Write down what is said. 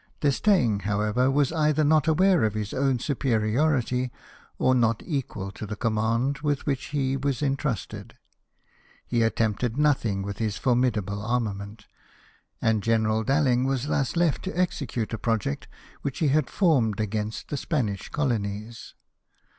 D'Estaing, however, Avas either not aware of his own superiority, or not equal to the command with which he was entrusted ; he attempted nothing with this formidable armament ; and General DalHng was thus left to execute a project which he had formed against the Spanish colonies.